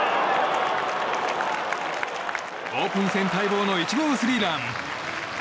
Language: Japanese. オープン戦待望の１号スリーラン。